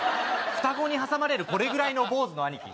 双子に挟まれるこれぐらいの坊主の兄貴